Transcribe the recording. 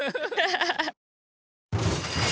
ハハハッ。